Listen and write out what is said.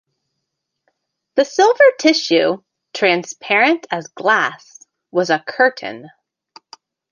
The silver tissue, transparent as glass, was a curtain.